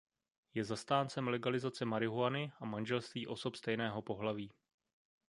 Je zastáncem legalizace marihuany a manželství osob stejného pohlaví.